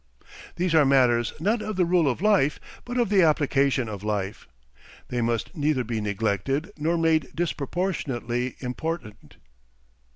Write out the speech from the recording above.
These are matters not of the rule of life but of the application of life. They must neither be neglected nor made disproportionally important.